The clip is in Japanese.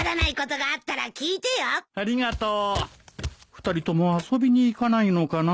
二人とも遊びに行かないのかな？